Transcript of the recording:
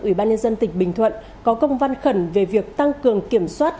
ủy ban nhân dân tỉnh bình thuận có công văn khẩn về việc tăng cường kiểm soát